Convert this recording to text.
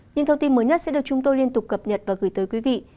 những thông tin mới nhất sẽ được chúng tôi liên tục cập nhật và gửi tới quý vị